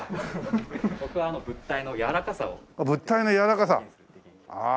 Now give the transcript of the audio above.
僕は物体のやわらかさを。物体のやわらかさ。ああ。